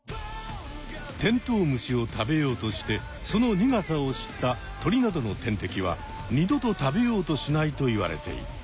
テントウムシを食べようとしてその苦さを知った鳥などの天敵は二度と食べようとしないといわれている。